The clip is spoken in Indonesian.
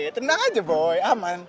tenang aja boy aman